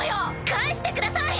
返してください！